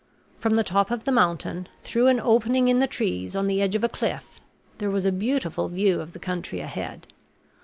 From the top of the mountain, through an opening in the trees on the edge of a cliff, there was a beautiful view of the country ahead.